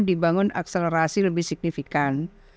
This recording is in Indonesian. dibangun akselerasi lebih signifikan